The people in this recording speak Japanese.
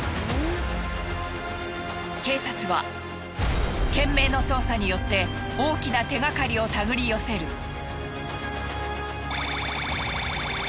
警察は懸命の捜査によって大きな手がかりを手繰り寄せる。